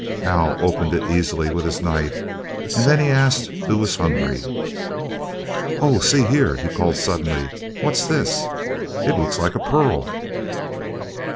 Hal opened it easily with his knife, and then he asked who was hungry. "Oh, see here!" he called, suddenly. "What this? It looks like a pearl."